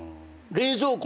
冷蔵庫？